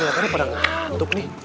kenapa ternyata pada ngantuk nih